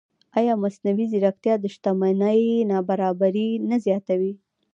ایا مصنوعي ځیرکتیا د شتمنۍ نابرابري نه زیاتوي؟